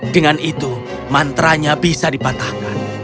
dengan itu mantra nya bisa dipatahkan